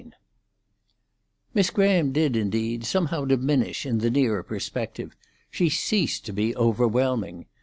IV Miss Graham did, indeed, somehow diminish in the nearer perspective. She ceased to be overwhelming.